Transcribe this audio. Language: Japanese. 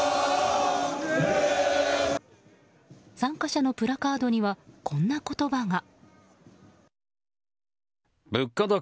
参加者のプラカードにはこんな言葉が。